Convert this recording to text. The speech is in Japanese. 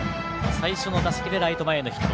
最初の打席でライト前へのヒット。